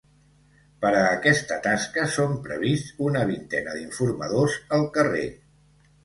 Per a aquesta tasca són prevists una vintena d’informadors al carrer.